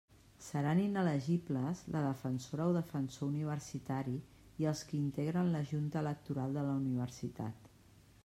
Seran inelegibles la defensora o defensor universitari i els qui integren la Junta Electoral de la Universitat.